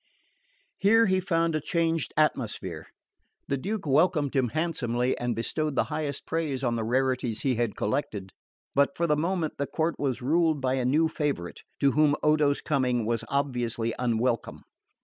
Here he found a changed atmosphere. The Duke welcomed him handsomely, and bestowed the highest praise on the rarities he had collected; but for the moment the court was ruled by a new favourite, to whom Odo's coming was obviously unwelcome.